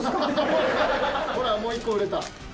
ほら、もう１個売れた。